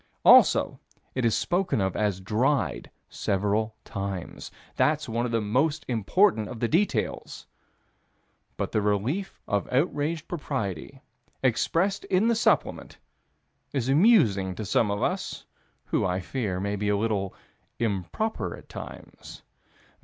Also it is spoken of as "dried" several times. That's one of the most important of the details. But the relief of outraged propriety, expressed in the Supplement, is amusing to some of us, who, I fear, may be a little improper at times.